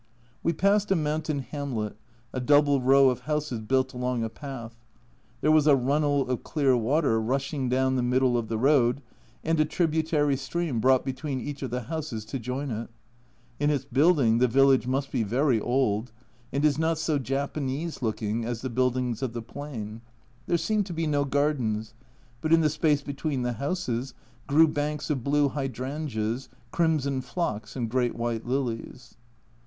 We passed a mountain hamlet, a double row of houses built along a path. There was a runnel of clear water rushing down the middle of the road, and ^ a tributary stream brought between each of the houses to join it. In its building the village must be very old, BOW LEGGED *"<*' S n tS " JapanCSC " looking as the buildings of the plain. There seemed to be no gardens, but in the space between the houses grew banks of blue hydrangeas, crimson phlox, and great white lilies.